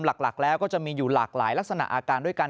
หลักแล้วก็จะมีอยู่หลากหลายลักษณะอาการด้วยกัน